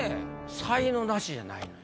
才能ナシじゃないのよ。